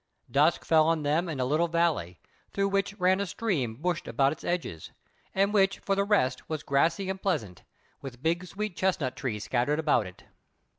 Dusk fell on them in a little valley, through which ran a stream bushed about its edges, and which for the rest was grassy and pleasant, with big sweet chestnut trees scattered about it.